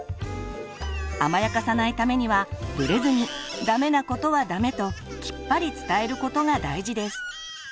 甘やかさないためにはぶれずに「ダメ」なことは「ダメ」ときっぱり伝えることが大事です。